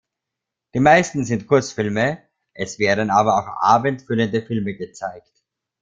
Die meisten sind Kurzfilme, es werden aber auch abendfüllende Filme gezeigt.